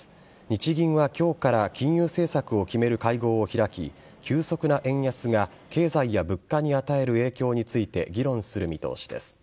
日銀は今日から金融政策を決める会合を開き急速な円安が経済や物価に与える影響について議論する見通しです。